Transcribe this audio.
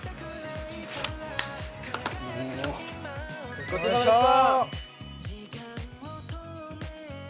ごちそうさまでした！